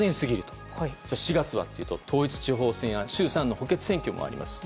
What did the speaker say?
４月はというと統一地方選挙や衆参の補欠選挙もあります。